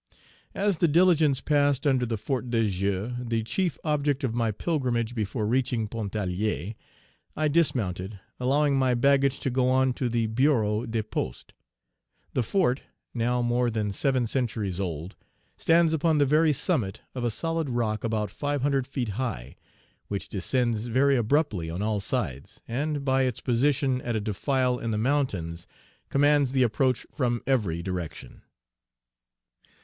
..... As the diligence passed under the Fort de Joux, the chief object of my pilgrimage before reaching Pontarlier, I dismounted, allowing my baggage to go on to the bureau de poste. The fort, now more than seven centuries old, stands upon the very summit of a solid rock about five hundred feet high, which descends very abruptly on all sides, and, by its position at a defile in the mountains, commands the approach from every direction.